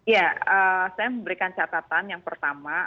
ya saya memberikan catatan yang pertama